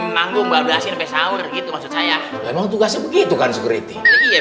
memang tugasnya begitu kan security